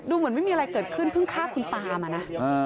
เหมือนไม่มีอะไรเกิดขึ้นเพิ่งฆ่าคุณตามานะ